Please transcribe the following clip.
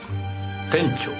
「店長」。